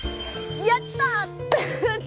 やった！